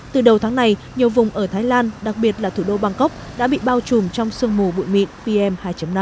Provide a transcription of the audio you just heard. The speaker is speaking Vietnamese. từ đầu tháng này nhiều vùng ở thái lan đặc biệt là thủ đô bangkok đã bị bao trùm trong sương mù bụi mịn pm hai năm